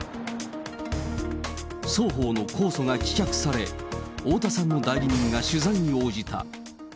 双方の控訴が棄却され、太田さんの代理人が取材に応じた。